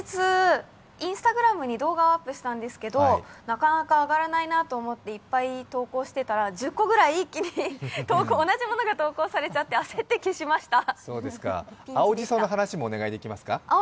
先日、Ｉｎｓｔａｇｒａｍに動画をアップしたんですけどなかなか上がらないなと思っていっぱい投稿してたら１０個ぐらい一気に同じものが投稿されてしまって、焦って消しました。